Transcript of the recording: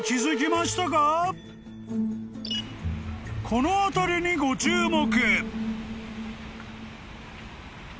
［この辺りにご注目］